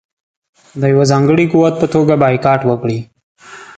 د یوه ځانګړي قوت په توګه بایکاټ وکړي.